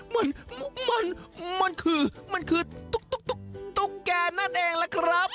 มันมันคือมันคือตุ๊กตุ๊กแกนั่นเองล่ะครับ